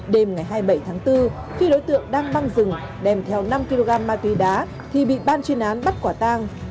đêm ngày hai mươi bảy tháng bốn khi đối tượng đang băng rừng đem theo năm kg ma túy đá thì bị ban chuyên án bắt quả tang